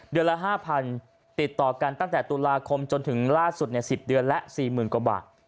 เดือนละห้าพันติดต่อกันตั้งแต่ตุลาคมจนถึงล่าสุดเนี้ยสิบเดือนและสี่หมื่นกว่าบาท